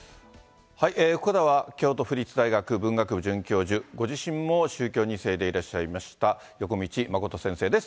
ここからは京都府立大学文学部准教授、ご自身も宗教２世でいらっしゃいました横道誠先生です。